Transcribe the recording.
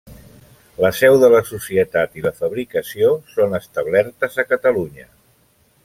La seu de la societat i la fabricació són establertes a Catalunya.